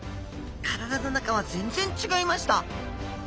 体の中は全然違いました。